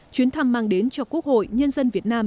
chuyến thăm mang đến cho quốc hội nhân dân việt nam